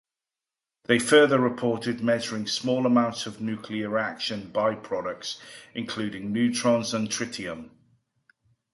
They further reported measuring small amounts of nuclear reaction byproducts, including neutrons and tritium.